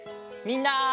みんな！